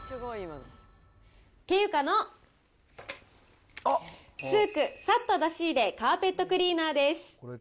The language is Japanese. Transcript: ケユカのスークさっと出し入れカーペットクリーナーです。